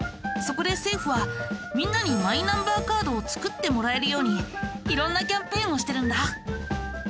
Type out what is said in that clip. そこで政府はみんなにマイナンバーカードを作ってもらえるように色んなキャンペーンをしてるんだ。